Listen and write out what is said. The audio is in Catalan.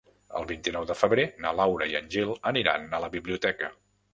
El vint-i-nou de febrer na Laura i en Gil aniran a la biblioteca.